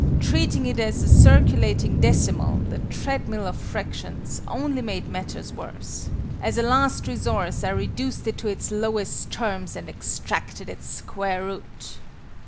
Treating it as a circulating decimal (the treadmill of fractions) only made matters worse. As a last resource, I reduced it to its lowest terms, and extracted its square root!"